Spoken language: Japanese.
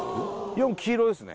４黄色ですね